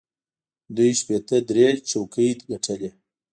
دوی شپېته درې څوکۍ ګټلې.